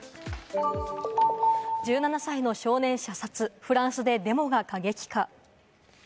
１７歳の少年射殺、フランスでデモが過激化。